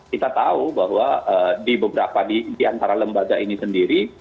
kita tahu bahwa di beberapa di antara lembaga ini sendiri